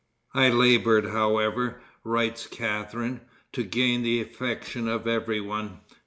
"I labored, however," writes Catharine, "to gain the affection of every one.